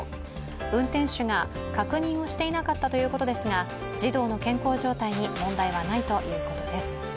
運転手が確認をしていなかったということですが、児童の健康状態に問題はないということです。